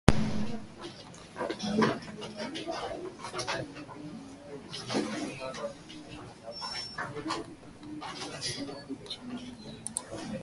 The original facade of the church has been modified after a series of renovations.